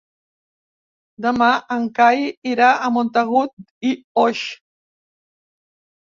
Demà en Cai irà a Montagut i Oix.